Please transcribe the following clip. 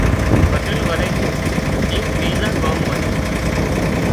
پٽيل وري ايڪ ٻيۯان ڳام مان جھو